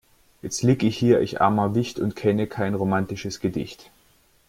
Jetzt lieg ich hier ich armer Wicht und kenne kein romatisches Gedicht.